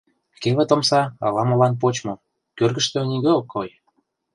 Кевыт омса ала-молан почмо, кӧргыштӧ нигӧ ок кой.